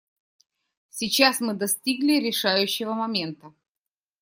Сейчас мы достигли решающего момента.